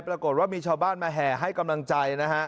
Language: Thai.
ปรากฏว่ามีชาวบ้านมาแห่ให้กำลังใจนะฮะ